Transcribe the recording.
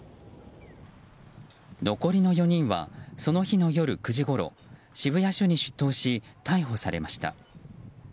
残りの４人はその日の夜９時ごろ渋谷署に出頭し逮捕されました。